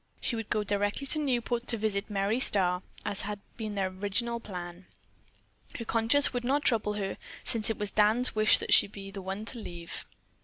She would go directly to Newport to visit Merry Starr, as had been their original plan. Her conscience would not trouble her, since it was Dan's wish that she be the one to leave.